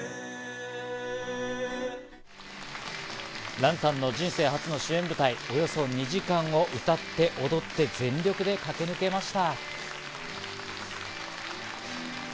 ＲＡＮさんの人生初の主演舞台、およそ２時間、歌って踊って全力で駆け抜けました。